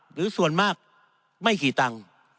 หรือส่วนมากไม่กี่ตังค์